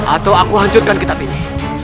atau aku lanjutkan kitab ini